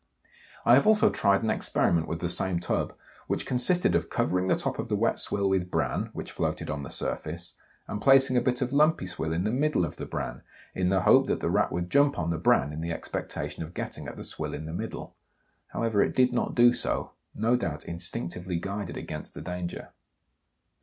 I have also tried an experiment with the same tub, which consisted of covering the top of the wet swill with bran, which floated on the surface, and placing a bit of lumpy swill in the middle of the bran, in the hope that the Rat would jump on the bran in the expectation of getting at the swill in the middle. However, it did not do so, no doubt instinctively guided against the danger.